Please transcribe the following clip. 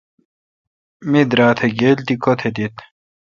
می درا تھ گیل تی کوتھ دیت۔